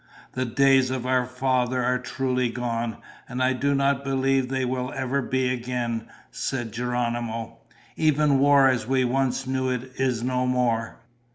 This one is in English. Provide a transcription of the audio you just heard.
"The days of our fathers are truly gone, and I do not believe they will ever be again," said Geronimo. "Even war as we once knew it is no more.